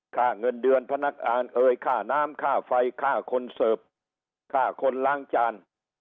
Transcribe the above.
ค่าเงินเดือนพนักงานเอ่ยค่าน้ำค่าไฟค่าคนเสิร์ฟค่าคนล้างจาน